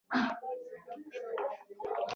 دا د چین د کمونېست ګوند د مشر ماوو مرګ و.